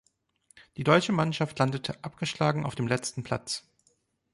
Die deutsche Mannschaft landete abgeschlagen auf dem letzten Platz.